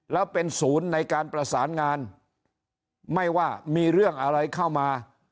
แล้วเป็นศูนย์ในการประสานงานไม่ว่ามีเรื่องอะไรเข้ามา